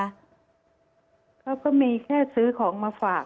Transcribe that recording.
เขาก็มีแค่ซื้อของมาฝาก